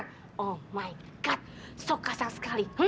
ya tuhan sangat kasar sekali